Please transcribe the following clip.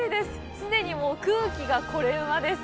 既に空気がコレうまです。